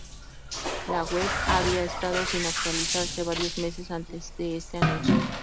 La web había estado sin actualizarse varios meses antes de este anuncio.